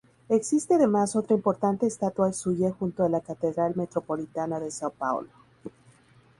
Existe además otra importante estatua suya junto a la Catedral Metropolitana de São Paulo.